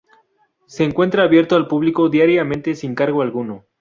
Se encuentra abierto al público diariamente sin cargo alguno.